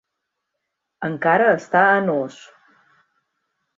Encara està en ús.